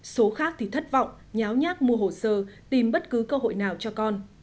số khác thì thất vọng nháo nhác mua hồ sơ tìm bất cứ cơ hội nào cho con